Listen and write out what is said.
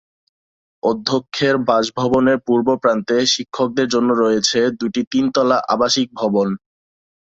অধ্যক্ষের বাসভবনের পূর্বপ্রান্তে শিক্ষকদের জন্য রয়েছে দুটি তিন তলা আবাসিক ভবন।